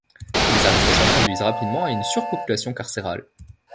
Les arrestations conduisent rapidement à une surpopulation carcérale.